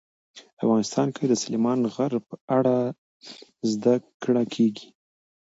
افغانستان کې د سلیمان غر په اړه زده کړه کېږي.